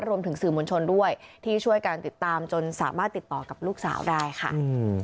รวมถึงสื่อมวลชนด้วยที่ช่วยการติดตามจนสามารถติดต่อกับลูกสาวได้ค่ะ